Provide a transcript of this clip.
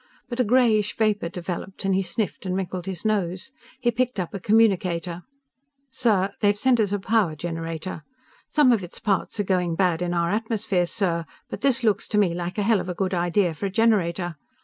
But a grayish vapor developed and he sniffed and wrinkled his nose. He picked up a communicator. "_Sir, they've sent us a power generator. Some of its parts are going bad in our atmosphere, sir, but this looks to me like a hell of a good idea for a generator!